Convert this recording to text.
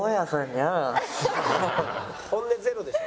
「本音ゼロでしょ？」。